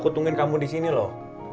aku tungguin kamu disini loh